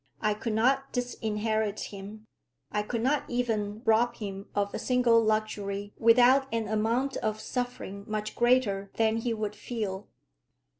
I could not disinherit him. I could not even rob him of a single luxury without an amount of suffering much greater than he would feel.